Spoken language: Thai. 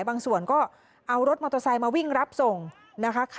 บางส่วนก็เอารถมอเตอร์ไซค์มาวิ่งรับส่งนะคะ